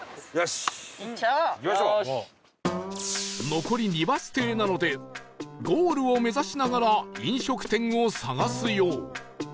残り２バス停なのでゴールを目指しながら飲食店を探すよう